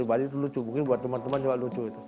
dan saya pikir itu lucu mungkin buat teman teman juga lucu